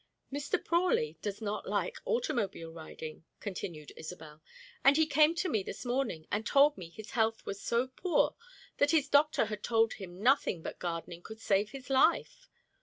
"Mr. Prawley does not like automobile riding," continued Isobel, "and he came to me this morning and told me his health was so poor that his doctor had told him nothing but gardening could save his life.